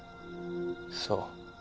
そう。